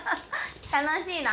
楽しいの？